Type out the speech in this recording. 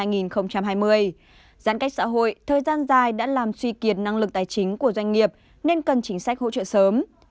giãn cách xã hội thời gian dài đã làm suy kiệt năng lực tài chính của doanh nghiệp nên cần chính sách hỗ trợ sớm